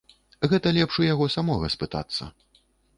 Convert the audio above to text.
Гэта лепш у яго самога спытацца.